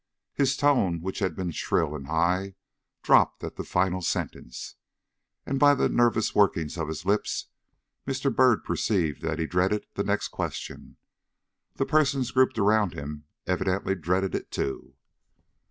His tone, which had been shrill and high, dropped at the final sentence, and by the nervous workings of his lips, Mr. Byrd perceived that he dreaded the next question. The persons grouped around him evidently dreaded it too.